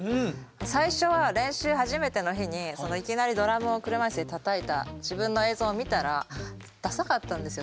最初は練習初めての日にいきなりドラムを車いすでたたいた自分の映像を見たらダサかったんですよ